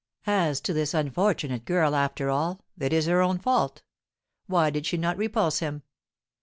As to this unfortunate girl, after all, it is her own fault! Why did she not repulse him?